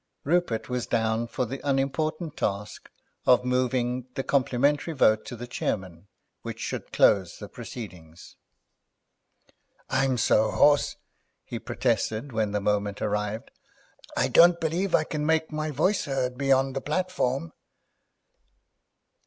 Rupert was down for the unimportant task of moving the complimentary vote to the chairman which should close the proceedings. "I'm so hoarse," he protested, when the moment arrived; "I don't believe I can make my voice heard beyond the platform."